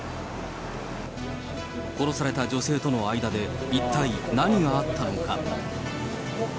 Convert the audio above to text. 殺された女性との間で、一体何があったのか。